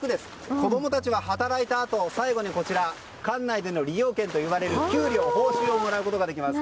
子供たちは働いたあと最後に、館内での利用券といわれる給料、報酬をもらうことができます。